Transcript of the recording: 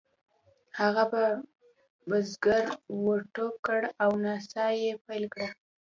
هغه په بزګر ور ټوپ کړل او نڅا یې پیل کړه.